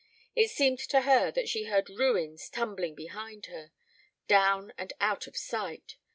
It seemed to her that she heard ruins tumbling behind her, down and out of sight.